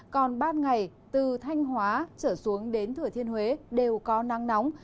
còn ban ngày từ thanh hóa trở xuống đến thừa thiên huế đều có nắng nóng